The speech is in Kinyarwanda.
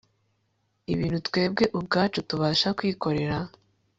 Ibintu Twebwe Ubwacu Tubasha Kwikorera